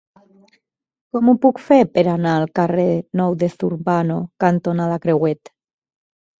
Com ho puc fer per anar al carrer Nou de Zurbano cantonada Crehuet?